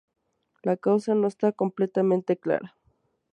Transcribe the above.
La causa no esta completamente clara.